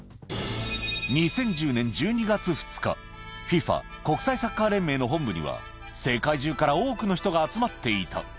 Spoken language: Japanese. ２０１０年１２月２日、ＦＩＦＡ・国際サッカー連盟の本部には、世界中から多くの人が集まっていた。